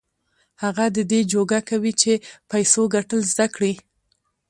هغه د دې جوګه کوي چې د پيسو ګټل زده کړي.